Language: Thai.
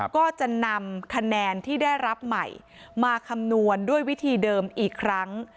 ก็จะนำคะแนนที่ได้รับใหม่มาคำนวณด้วยวิธีเดิมอีกครั้ง